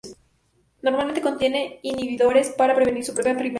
Normalmente contiene inhibidores para prevenir su propia polimerización.